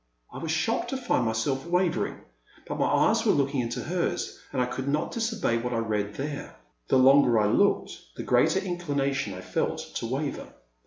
I was shocked to find myself wavering, but my eyes were looking into hers, and I could not dis obey what I read there. The longer I looked the greater inclination I felt to waver.